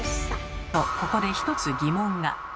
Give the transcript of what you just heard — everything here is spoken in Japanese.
とここで１つ疑問が。